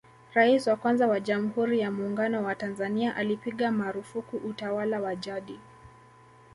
Rais wa kwanza wa Jamhuri ya Muungano wa Tanzania alipiga maarufuku utawala wa jadi